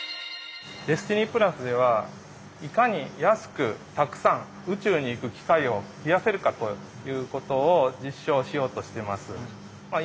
ＤＥＳＴＩＮＹではいかに安くたくさん宇宙に行く機会を増やせるかということを実証しようとしてます。